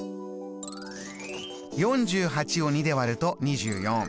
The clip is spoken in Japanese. ４８を２で割ると２４。